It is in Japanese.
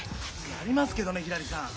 やりますけどねひらりさん。